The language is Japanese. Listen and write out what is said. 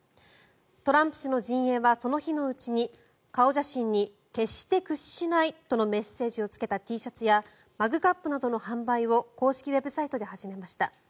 トランプ氏の陣営はその日のうちに顔写真に、決して屈しないとのメッセージをつけたＴシャツやマグカップなどの販売を公式ウェブサイトで始めました。